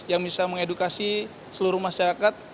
yang bisa mengedukasi seluruh masyarakat